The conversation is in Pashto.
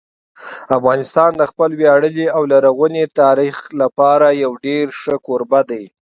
افغانستان د خپل ویاړلي او لرغوني تاریخ لپاره یو ډېر ښه کوربه دی.